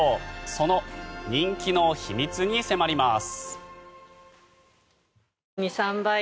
その人気の秘密に迫ります。